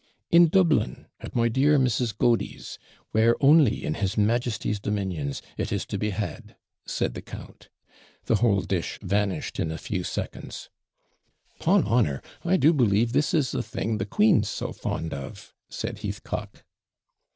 'In Dublin, at my dear Mrs. Godey's; where ONLY, in his Majesty's dominions, it is to be had,' said the count. The whole dish vanished in a few seconds. ''Pon honour! I do believe this is the thing the queen's so fond of,' said Heathcock.